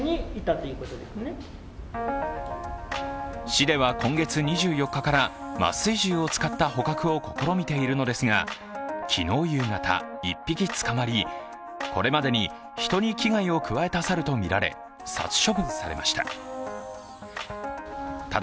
市では今月２４日から麻酔銃を使った捕獲を試みているのですが昨日夕方、１匹捕まり、これまでに人に危害を加えた猿とみられ、殺処分されました。